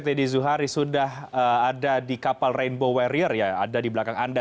teddy zuhari sudah ada di kapal rainbow warrior yang ada di belakang anda